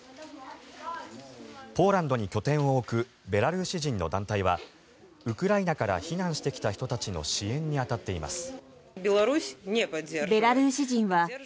ポーランドに拠点を置くベラルーシ人の団体はウクライナから避難してきた人たちの支援に当たっています。